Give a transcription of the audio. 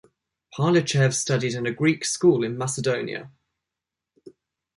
Parlichev studied in a Greek school in Macedonia.